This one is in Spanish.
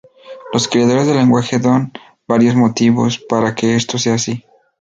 Los creadores del lenguaje dan varios motivos para que esto sea así.